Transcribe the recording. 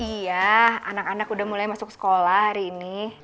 iya anak anak udah mulai masuk sekolah hari ini